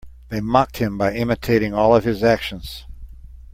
They mocked him by imitating all of his actions.